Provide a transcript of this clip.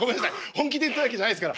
本気で言ったわけじゃないですから。